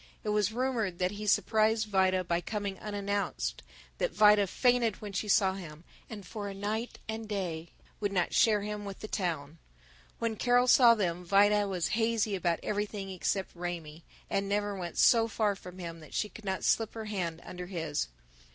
It was rumored that he surprised Vida by coming unannounced, that Vida fainted when she saw him, and for a night and day would not share him with the town. When Carol saw them Vida was hazy about everything except Raymie, and never went so far from him that she could not slip her hand under his.